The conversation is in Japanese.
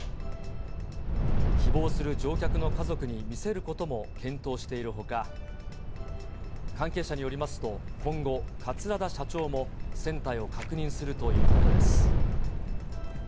希望する乗客の家族に見せることも検討しているほか、関係者によりますと、今後、桂田社長も船体を確認するということです。